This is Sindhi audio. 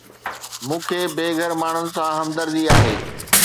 مون کي بي گهر ماڻهن سان همدردي آهي